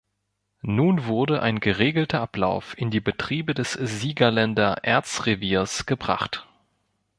Nun wurde ein geregelter Ablauf in die Betriebe des Siegerländer Erzreviers gebracht.